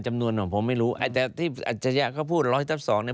จำนวนของผมไม่รู้แต่อาจจะยากเขาพูด๑๐๐ทับ๒เนี่ย